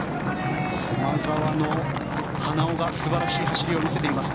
駒澤の花尾が素晴らしい走りを見せています。